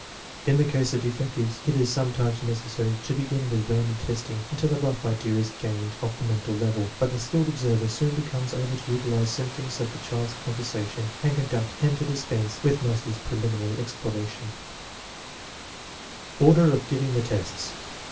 In the case of defectives it is sometimes necessary to be gin with random testing, until a rough idea is gained of the mental level. But the skilled observer soon becomes able to utilize symptoms in the child's conversation and conduct and to dispense with most of this preliminary exploration. ISO THE MEASUREMENT OF INTELLIGENCE Order of giving the tests.